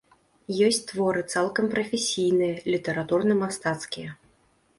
Ёсць творы цалкам прафесійныя, літаратурна-мастацкія.